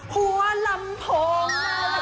คือฮัวลำโภงและสุภัณฑ์ที่เศร้าจริงจริง